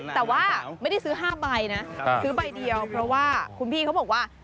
แต่ว่าไม่ได้ซื้อ๕ใบนะซื้อใบเดียวเพราะว่าคุณพี่เขาบอกว่า